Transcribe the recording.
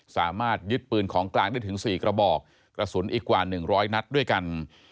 สามารถยึดปืนของกลางได้ถึง๔กระบอกกระสุนอีกกว่า๑๐๐นัดด้วยกัน